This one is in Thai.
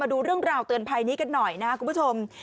ดูเรื่องราวเตือนภัยนี้กันหน่อยนะครับคุณผู้ชม